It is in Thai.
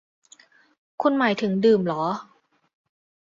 คุณหมายถึง ดื่มเหรอ ?